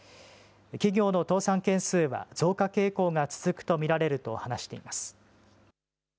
企業の倒産件数は増加傾向が続く見られると話しています。